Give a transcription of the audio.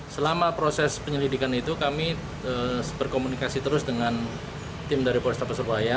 selama proses penyelidikan itu kami berkomunikasi terus dengan tim dari polrestabes surabaya